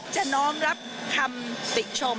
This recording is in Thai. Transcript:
น้อมรับคำติชม